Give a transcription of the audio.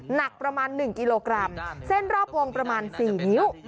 หนักประมาณ๑กิโลกรัมเส้นรอบวงประมาณ๔นิ้ว